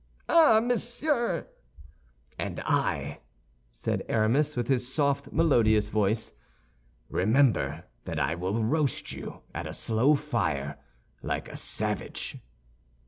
"Ah, monsieur!" "And I," said Aramis, with his soft, melodius voice, "remember that I will roast you at a slow fire, like a savage."